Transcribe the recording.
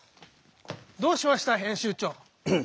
どうしました編集長。